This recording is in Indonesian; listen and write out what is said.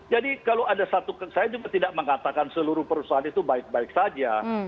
jadi kalau ada satu saya juga tidak mengatakan seluruh perusahaan itu baik baik saja